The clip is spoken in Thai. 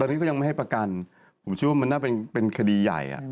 ตอนนี้ก็ยังไม่ให้ประกันผมเชื่อว่ามันน่าเป็นคดีใหญ่